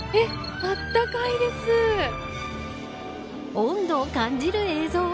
温度を感じる映像。